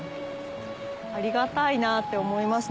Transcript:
ありがたいなって思いますね。